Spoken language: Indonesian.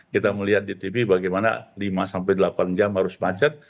kita melihat di tv bagaimana lima sampai delapan jam harus macet